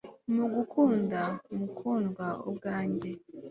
Mugukunda mukundwa ubwanjye